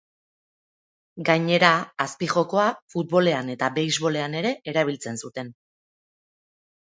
Gainera, azpijokoa futbolean eta beisbolean ere erabiltzen zuten.